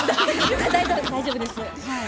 大丈夫ですはい。